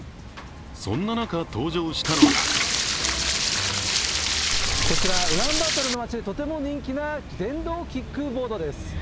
そんな中、登場したのがこちら、ウランバートルの街でとても人気な電動キックボードです。